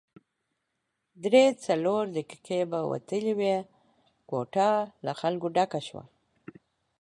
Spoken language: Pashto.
درې څلور دقیقې به وتلې وې، کوټه له خلکو ډکه شوه.